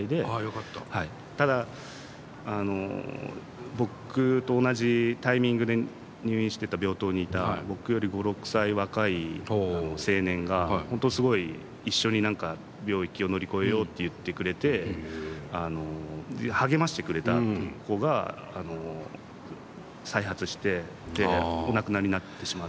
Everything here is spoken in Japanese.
はい、ただ僕と同じタイミングで入院してた病棟にいた僕より５、６歳若い青年が本当、すごい一緒に病気を乗り越えようと言ってくれて励ましてくれた子が再発してお亡くなりになってしまって。